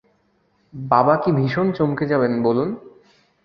বাবা কী ভীষণ চমকে যাবেন বলুন।